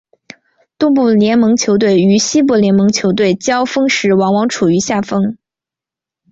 东部联盟球队与西部联盟球队交锋时往往处于下风。